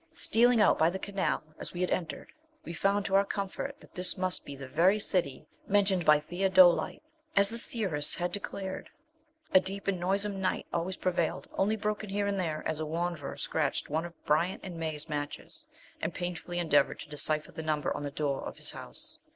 Stealing out by the canal as we had entered, we found to our comfort that this must be the very city mentioned by Theodolitê. As the seeress had declared, a deep and noisome night always prevailed, only broken here and there as a wanderer scratched one of Bryant & May's matches and painfully endeavoured to decipher the number on the door of his house.